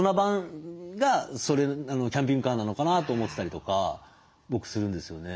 キャンピングカーなのかなと思ってたりとか僕するんですよね。